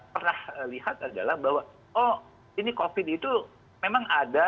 pernah lihat adalah bahwa oh ini covid itu memang ada